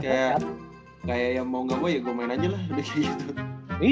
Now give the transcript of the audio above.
jadi kayak kayak mau ga gua ya gua main aja lah lebih gitu